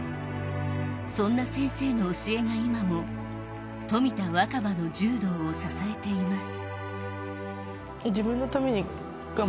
そんな先生の教えが今も冨田若春の柔道を支えています。